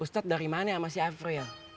ustadz dari mana sama si afril